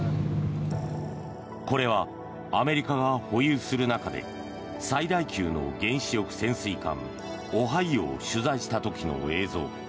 これはアメリカが保有する中で最大級の原子力潜水艦「オハイオ」を取材した時の映像。